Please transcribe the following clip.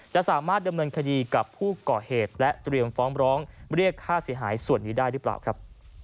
จะสามารถดำเนินคดีกับผู้ก่อเหตุและเตรียมฟ้องร้องเรียกค่าเสียหายส่วนนี้ได้หรือเปล่าครับ